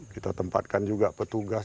kita tempatkan juga petugas